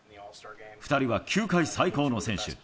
２人は球界最高の選手。